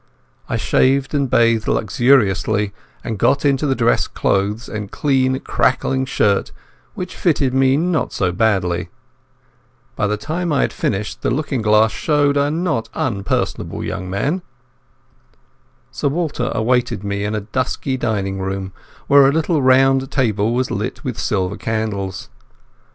I shaved and bathed luxuriously, and got into the dress clothes and clean crackling shirt, which fitted me not so badly. By the time I had finished the looking glass showed a not unpersonable young man. Sir Walter awaited me in a dusky dining room where a little round table was lit with silver candles.